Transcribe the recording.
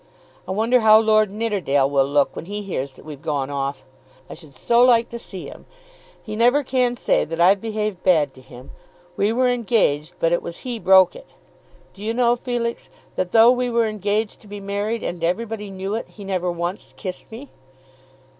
I wonder how Lord Nidderdale will look when he hears that we've gone off. I should so like to see him. He never can say that I've behaved bad to him. We were engaged, but it was he broke it. Do you know, Felix, that though we were engaged to be married, and everybody knew it, he never once kissed me!"